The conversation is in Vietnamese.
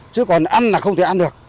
chứ còn ăn là không thể